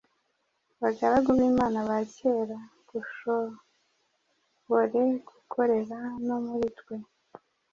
bagaragu b’Imana ba kera gushobore gukorera no muri twe.